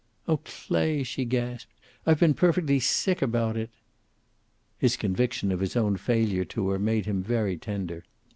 "Oh, Clay!" she gasped. "I've been perfectly sick about it!" His conviction of his own failure to her made him very tender.